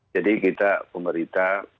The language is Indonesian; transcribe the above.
jadi kita pemerintah